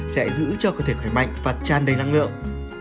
sẽ giữ cho cơ thể khỏe mạnh và tràn đầy năng lượng